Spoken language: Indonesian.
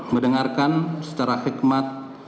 mendengarkan secara hikmat